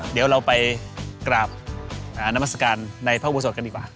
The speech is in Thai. เดี๋ยวเราไปกราบนามัศกาลในพระอุโบสถกันดีกว่า